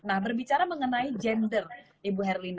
nah berbicara mengenai gender ibu herlina